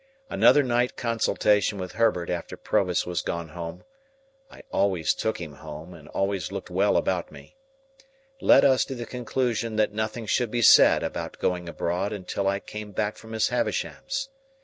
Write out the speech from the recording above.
Another night consultation with Herbert after Provis was gone home (I always took him home, and always looked well about me), led us to the conclusion that nothing should be said about going abroad until I came back from Miss Havisham's.